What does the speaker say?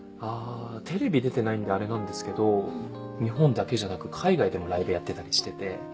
テレビ出てないんであれなんですけど日本だけじゃなく海外でもライブやってたりしてて。